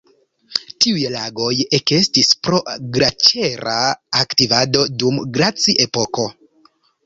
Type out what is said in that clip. Tiuj lagoj ekestis pro glaĉera aktivado dum glaci-epoko.